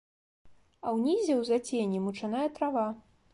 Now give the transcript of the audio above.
А ўнізе ў зацені мучаная трава.